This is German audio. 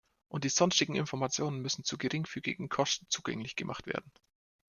Und die sonstigen Informationen müssen zu geringfügigen Kosten zugänglich gemacht werden.